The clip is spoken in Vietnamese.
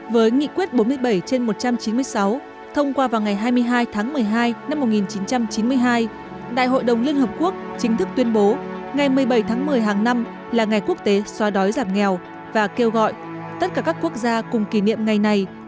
với nghị quyết bốn mươi bảy trên một trăm chín mươi sáu thông qua vào ngày hai mươi hai tháng một mươi hai năm một nghìn chín trăm chín mươi hai đại hội đồng liên hợp quốc chính thức tuyên bố ngày một mươi bảy tháng một mươi hàng năm là ngày quốc tế xóa đói giảm nghèo và kêu gọi tất cả các quốc gia cùng kỷ niệm ngày này